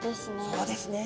そうですね。